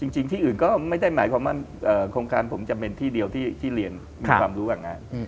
จริงที่อื่นก็ไม่ได้หมายความว่าโครงการผมจะเป็นที่เดียวที่เรียนมีความรู้แบบงาน